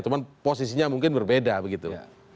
cuma posisinya mungkin berbeda begitu